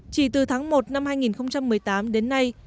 chỉ từ tháng một năm hai nghìn một mươi tám đến nay